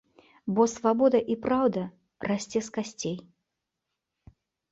Бо свабода і праўда расце з касцей.